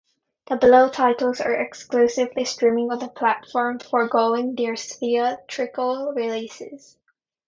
The below titles are exclusively streaming on the platform forgoing their theatrical releases.